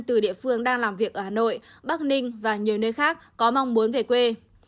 từ địa phương đang làm việc ở hà nội bắc ninh và nhiều nơi khác có mong muốn về quê